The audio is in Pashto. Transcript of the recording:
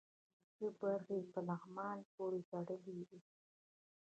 څه برخې یې په لغمان پورې تړلې وې.